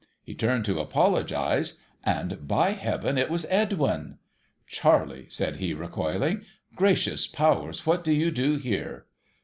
He turned to apologise, and, by Heaven, it was Edwin !' Charley !' said he, recoiling. ' Gracious powers, what do you do here